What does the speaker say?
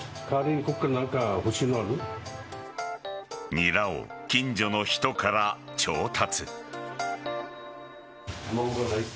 ニラを近所の人から調達。